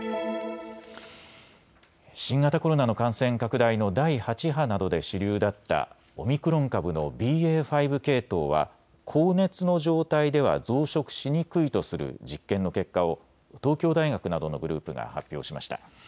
新型コロナの感染拡大の第８波などで主流だったオミクロン株のＢＡ．５系統は高熱の状態では増殖しにくいとする実験の結果を東京大学などのグループが発表しました。